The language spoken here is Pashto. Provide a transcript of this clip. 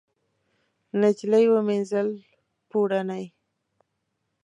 نجلۍ ومینځل پوړني